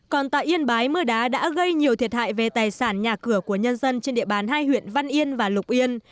còn tại yên bái mưa đá đã gây nhiều thiệt hại về tài sản nhà cửa của nhân dân trên địa bàn hai huyện văn yên và lục yên